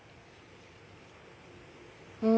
うん。